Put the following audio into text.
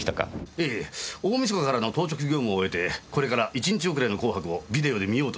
ええ大晦日からの当直業務を終えてこれから１日遅れの紅白をビデオで観ようとしていたところです。